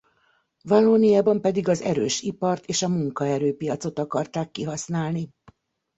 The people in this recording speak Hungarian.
Vallóniában pedig az erős ipart és a munkaerőpiacot akarták kihasználni.